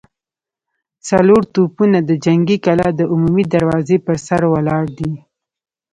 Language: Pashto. څلور توپونه د جنګي کلا د عمومي دروازې پر سر ولاړ دي.